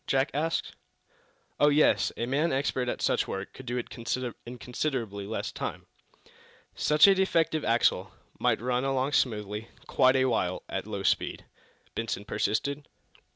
Jack asked. "Oh, yes; a man expert at such work could do it in considerably less time." "Such a defective axle might run along smoothly, quite a while at low speed?" Benson persisted.